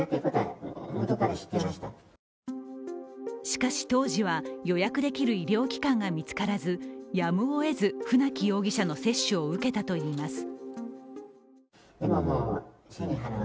しかし、当時は予約できる医療機関が見つからずやむをえず船木容疑者の接種を受けたといいます。